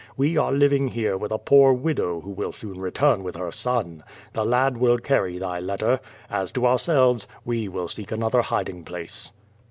We are living here with a poor widow who will soon return with her son. The lad will carry thy letter. As to ourselves, we will seek another hiding place."